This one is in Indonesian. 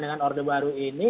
dengan orde baru ini